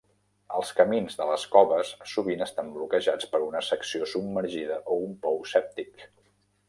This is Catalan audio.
Els camins de les coves sovint estan bloquejats per una secció submergida o un pou sèptic.